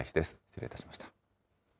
失礼いたしました。